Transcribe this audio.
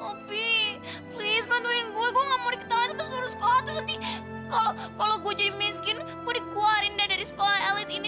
obi please bantuin gue gue gak mau diketahui sama seluruh sekolah terus nanti kalau gue jadi miskin gue dikeluarin deh dari sekolah elit ini